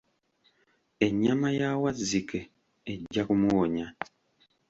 Ennyama ya Wazzike ejja kumuwonya.